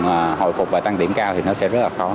thị trường hồi phục và tăng điểm cao thì nó sẽ rất là khó